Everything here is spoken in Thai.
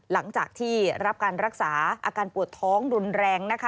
หลังจากที่รับการรักษาอาการปวดท้องรุนแรงนะคะ